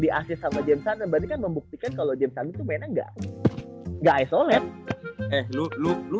di asis sama jensa dan berikan membuktikan kalau jepang itu mainan enggak enggak esolet eh lu lu